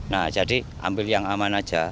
nah jadi ambil yang aman aja